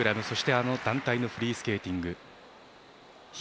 そして団体のフリースケーティング。